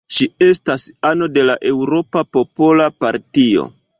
Ŝi estas ano de la Eŭropa Popola Partio.